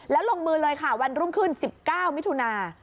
แล้วลงมือเลยค่ะวันรุ่งขึ้น๑๙มิถุนา